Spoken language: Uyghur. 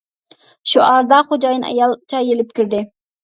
شۇ ئارىدا خوجايىن ئايال چاي ئېلىپ كىردى.